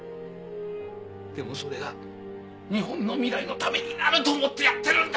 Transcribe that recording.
でもそれが日本の未来のためになると思ってやってるんだ！